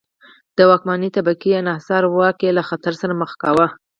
د واکمنې طبقې انحصاري واک یې له خطر سره مخ کاوه.